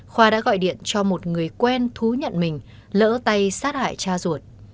khoa đã gọi điện cho một người quen thú nhận mình lỡ tay sát hại cha ruột